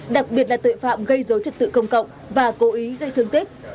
đặc biệt là tội phạm gây dối trật tự công cộng và cố ý gây thương tích